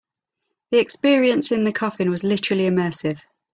The experience in the coffin was literally immersive.